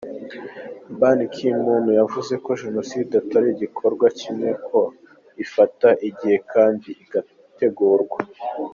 Ban Ki moon, yavuze ko jenoside atari igikorwa kimwe, ko ifata igihe kandi igategurwa.